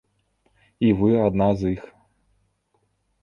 І вы адна з іх.